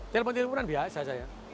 telepon teleponan biasa saya